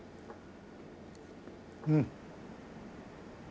うん。